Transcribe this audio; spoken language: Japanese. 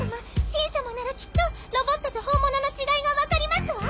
しん様ならきっとロボットと本物の違いがわかりますわ。